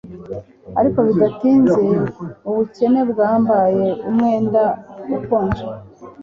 Ariko bidatinze ubukene bwambaye umwenda ukonje